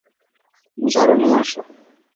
ঝাড়ু নিয়ে আসো!